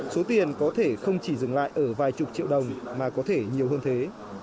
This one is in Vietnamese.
số tiền có thể không chỉ dừng lại ở vài chục triệu đồng mà có thể nhiều hơn thế